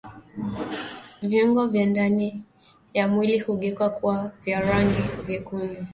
Viungo vya ndani ya mwili hugeuka kuwa vya rangi vyekundu